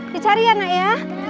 dicarian nak ya